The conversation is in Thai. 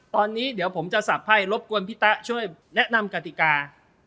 ตอนนี้เดี๋ยวผมจะสับไพรบกวนพี่ตะช่วยแนะนำกติกา